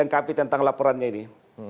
lengkapi tentang laporannya ini